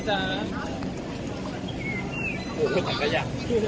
ขอบคุณครับ